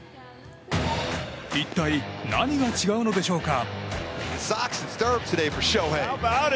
一体何が違うのでしょうか。